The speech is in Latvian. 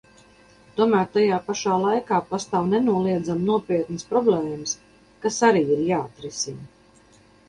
Tomēr tajā pašā laikā pastāv nenoliedzami nopietnas problēmas, kas arī ir jāatrisina.